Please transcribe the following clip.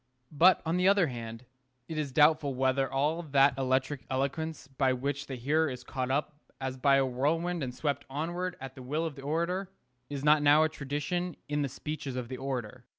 But, on the other hand, it is doubtful whether all that electric eloquence by which the hearer is caught up as by a whirlwind and swept onward at the will of the orator, is not now a tradition in the speeches of the orator.